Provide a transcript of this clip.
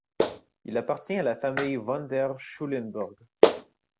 Il appartient à la famille von der Schulenburg.